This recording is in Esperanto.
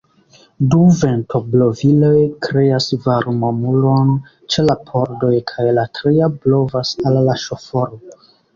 Du ventobloviloj kreas varmomuron ĉe la pordoj kaj la tria blovas al la ŝoforo.